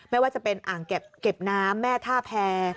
ไม่ว่าจะเป็นอ่างเก็บน้ำแม่ท่าแพร